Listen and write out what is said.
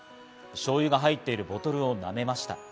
しょうゆが入っているボトルを舐めました。